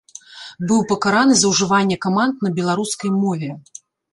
Быў пакараны за ўжыванне каманд на беларускай мове.